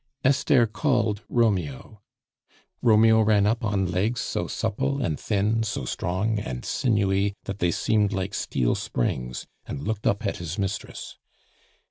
Esther called Romeo; Romeo ran up on legs so supple and thin, so strong and sinewy, that they seemed like steel springs, and looked up at his mistress.